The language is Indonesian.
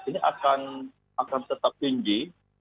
ini akan tetap tinggi dua puluh empat